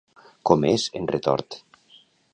Com és, en Retort?